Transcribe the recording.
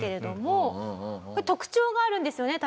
特徴があるんですよね？